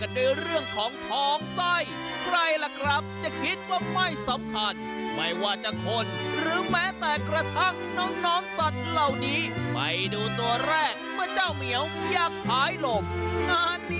ดื่มด้วยความสุขของความสุขของการที่เรารวมเอาไว้